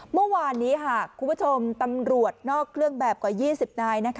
เมื่อวานนี้คุณผู้ชมตำรวจนอกเครื่องแบบกว่า๒๐นาย